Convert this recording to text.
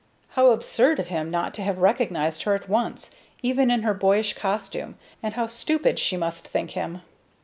How absurd of him not to have recognized her at once, even in her boyish costume, and how stupid she must think him!